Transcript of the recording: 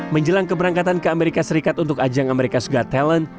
menjelang keberangkatan ke amerika serikat untuk ajang amerika suga talent